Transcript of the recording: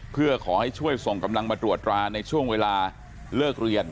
เพื่อขอให้ช่วยส่งกำลังมาตรวจตราในช่วงเวลาเลิกเรียน